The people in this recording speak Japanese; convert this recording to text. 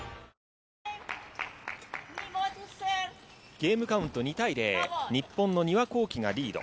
ゲームカウント２対０、日本の丹羽孝希がリード。